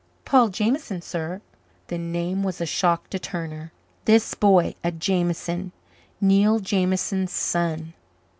"Paul Jameson, sir." The name was a shock to Turner. This boy a Jameson Neil Jameson's son?